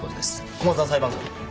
駒沢裁判官。